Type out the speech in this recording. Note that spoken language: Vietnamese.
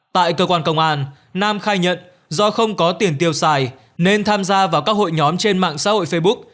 tại cơ quan công an nam khai nhận do không có tiền tiêu xài nên tham gia vào các hội nhóm trên mạng xã hội facebook